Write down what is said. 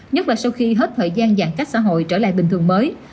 nhất là sau khi hết thời gian giãn cách xã hội trở lại bình thường mới